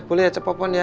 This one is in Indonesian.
boleh ya cepopon ya